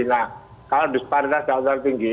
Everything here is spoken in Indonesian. nah kalau disparitasnya tidak terlalu tinggi